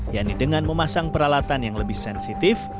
yaitu dengan memasang peralatan yang lebih sensitif